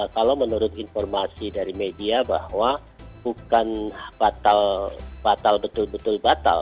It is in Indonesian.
kalau menurut informasi dari media bahwa bukan batal betul betul batal